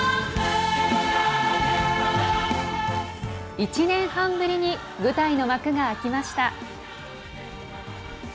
１年半ぶりに舞台の幕が開きました。